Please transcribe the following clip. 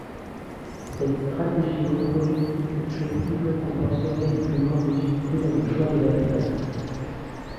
Cette stratégie reproductive flexible compenserait une plus grande rigidité dans le choix de l’habitat.